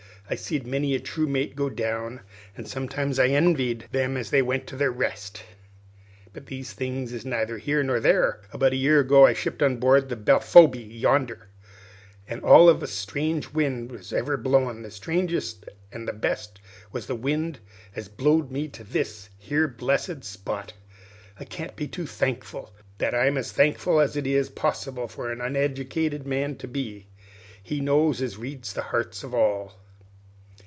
I seed many a true mate go down, an' sometimes I envied them what went to their rest. But these things is neither here nor there. "About a year ago I shipped on board the Belphoebe yonder, an' of all the strange winds as ever blowed, the strangest an' the best was the wind as blowed me to this here blessed spot. I can't be too thankful. That I'm as thankful as it is possible for an uneddicated man to be, He knows as reads the heart of all."